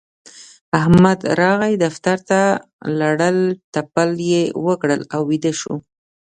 احمد راغی دفتر ته؛ لړل تپل يې وکړل او ويده شو.